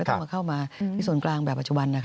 ต้องมาเข้ามาที่ส่วนกลางแบบปัจจุบัน